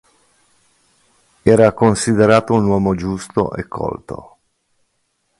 Era considerato un uomo giusto e colto.